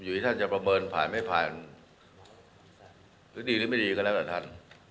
ที่ท่านจะประเมินผ่านไม่ผ่านหรือดีหรือไม่ดีก็แล้วแต่ท่าน